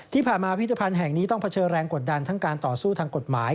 ที่ผ่านมาพิธภัณฑ์แห่งนี้ต้องเผชิญแรงกดดันทั้งการต่อสู้ทางกฎหมาย